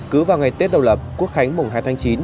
cứ vào ngày tết đầu lập quốc khánh mùng hai tháng chín